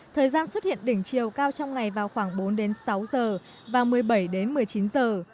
thời gian xuất hiện đỉnh chiều cao trong ngày vào khoảng bốn đến sáu giờ và một mươi bảy đến một mươi chín giờ